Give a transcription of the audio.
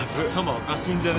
おかしいんじゃね？